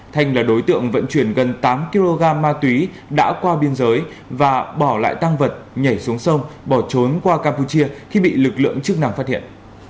thanh là đối tượng vận chuyển gần tám kg ma túy đã qua biên giới và bỏ lại tăng vật nhảy xuống sông bỏ trốn qua campuchia khi bị lực lượng chức năng phát hiện